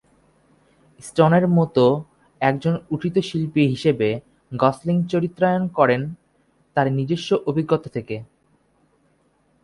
স্টোনের মত একজন উঠতি শিল্পী হিসাবে গসলিং চরিত্রায়ন করেন তার নিজস্ব অভিজ্ঞতা থেকে।